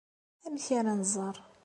Amek ara nẓer?